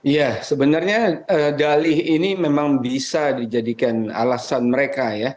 ya sebenarnya dalih ini memang bisa dijadikan alasan mereka ya